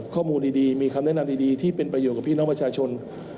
ข้อมูลดีมีคำแนะนำดีที่เป็นประโยชนกับพี่น้องประชาชน